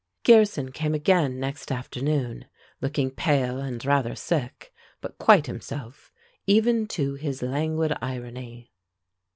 Gearson came again next afternoon, looking pale, and rather sick, but quite himself, even to his languid irony.